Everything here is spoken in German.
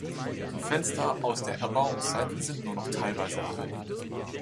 Die Fenster aus der Erbauungszeit sind nur noch teilweise erhalten.